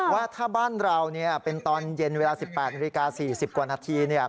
ว่าถ้าบ้านเราเป็นตอนเย็นเวลา๑๘นาฬิกา๔๐กว่านาที